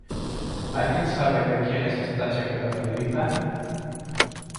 ¿Alguien sabe de quién es esta chaqueta tan linda?